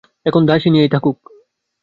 এখন দাসী নিয়েই থাকুক।